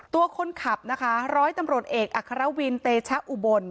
ตัวคนขับนะคะร้อยตำรวจเอกอัครวินเตชะอุบล